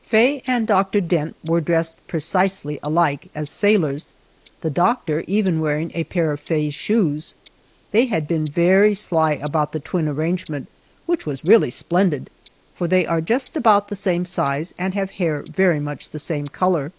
Faye and Doctor Dent were dressed precisely alike, as sailors, the doctor even wearing a pair of Faye's shoes. They had been very sly about the twin arrangement, which was really splendid, for they are just about the same size and have hair very much the same color.